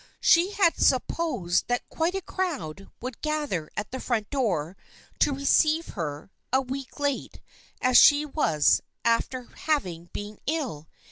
She had supposed that " quite a crowd " would gather at the front door to receive her, a week late as she was, and having been ill.